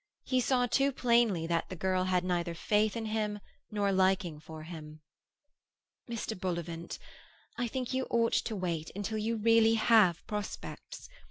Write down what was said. He saw too plainly that the girl had neither faith in him nor liking for him. "Mr. Bullivant, I think you ought to wait until you really have prospects.